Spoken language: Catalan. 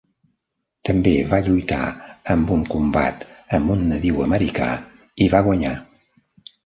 També va lluitar amb un combat amb un nadiu americà i va guanyar.